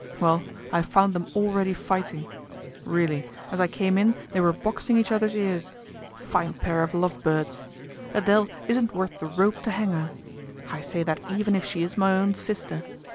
Well, I found them already fighting. Really, as I came in they were boxing each other's ears. Fine pair of love birds! Adele isn't worth the rope to hang her. I say that even if she is my own sister.